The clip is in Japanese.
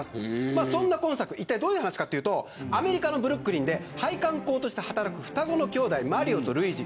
そんな今作どんなお話かというとアメリカのブルックリンで配管工として働く双子の兄弟マリオとルイージ。